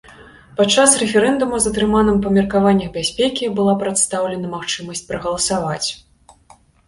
Падчас рэферэндума затрыманым па меркаваннях бяспекі была прадастаўлена магчымасць прагаласаваць.